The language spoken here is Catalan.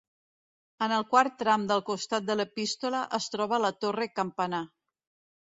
En el quart tram del costat de l'epístola es troba la torre-campanar.